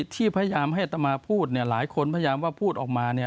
ที่พยายามให้อัตมาพูดหลายคนพยายามว่าพูดออกมา